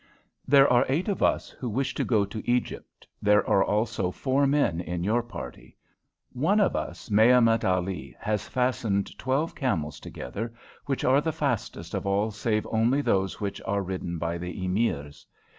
"There are eight of us who wish to go to Egypt. There are also four men in your party. One of us, Mehemet Ali, has fastened twelve camels together, which are the fastest of all save only those which are ridden by the Emirs.